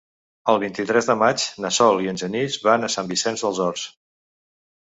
El vint-i-tres de maig na Sol i en Genís van a Sant Vicenç dels Horts.